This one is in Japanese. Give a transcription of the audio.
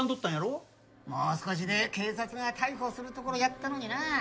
もう少しで警察が逮捕するところやったのになあ。